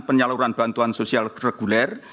penyaluran bantuan sosial reguler